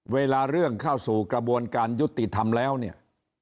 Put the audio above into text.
เวลาเรื่องเข้าสู่กระบวนการยุติธรรมแล้วเนี่ย